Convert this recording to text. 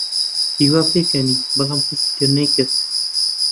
هیوا پێکەنی، بەڵام کەسی تر نەیکرد.